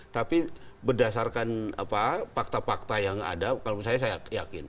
tapi berdasarkan fakta fakta yang ada kalau menurut saya saya yakin